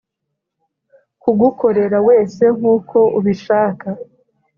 kugukorera wese nkuko ubishaka